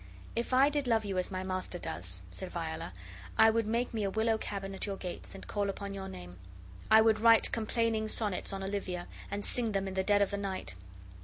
"If I did love you as my master does," said Viola, "I would make me a willow cabin at your gates, and call upon your name. I would write complaining sonnets on Olivia, and sing them in the dead of the night.